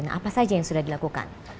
nah apa saja yang sudah dilakukan